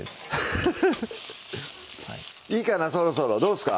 フフフッいいかなそろそろどうですか？